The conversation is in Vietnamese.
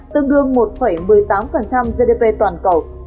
tương đương một một mươi tám gdp toàn cầu